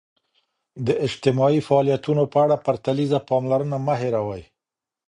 د اجتماعي فعالیتونو په اړه پرتلیزه پاملرنه مه هېروئ.